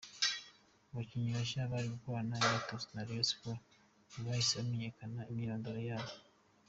Abakinnyi bashya bari gukorana imyitozo na Rayon Sports ntibahise bamenyekana imyirondoro yabo.